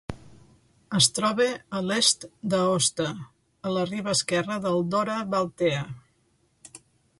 Es troba a l'est d'Aosta, a la riba esquerra del Dora Baltea.